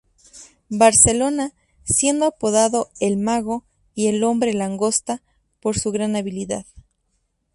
Barcelona, siendo apodado "el mago" y "el hombre langosta" por su gran habilidad.